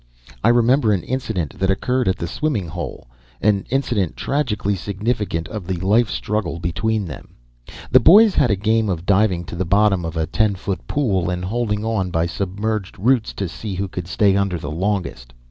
I remember an incident that occurred at the swimming hole—an incident tragically significant of the life struggle between them. The boys had a game of diving to the bottom of a ten foot pool and holding on by submerged roots to see who could stay under the longest.